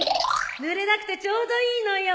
ぬれなくてちょうどいいのよ。